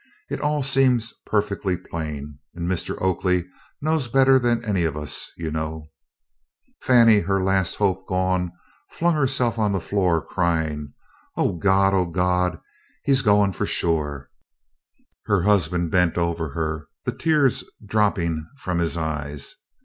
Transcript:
It all seems perfectly plain, and Mr. Oakley knows better than any of us, you know." Fannie, her last hope gone, flung herself on the floor, crying, "O Gawd! O Gawd! he 's gone fu' sho'!" Her husband bent over her, the tears dropping from his eyes.